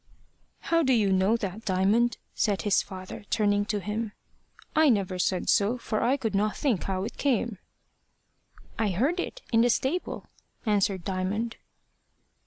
"How do you know that, Diamond?" said his father, turning to him. "I never said so, for I could not think how it came." "I heard it in the stable," answered Diamond.